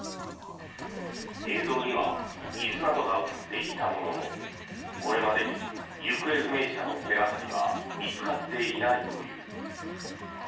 映像には椅子などが映っていたもののこれまでに行方不明者の手掛かりは見つかっていないという。